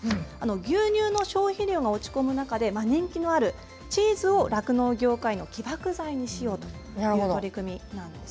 牛乳の消費量が落ち込む中で人気のあるチーズを酪農業界の起爆剤にしようという取り組みなんです。